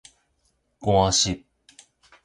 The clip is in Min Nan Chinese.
汗溼